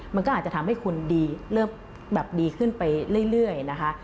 มันก็อาจจะทำให้คุณดีเริ่มดีขึ้นไปเรื่อยนะคะ